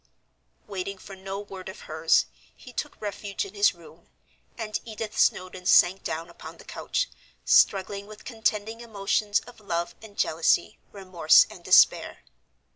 Waiting for no word of hers, he took refuge in his room, and Edith Snowdon sank down upon the couch, struggling with contending emotions of love and jealousy, remorse and despair.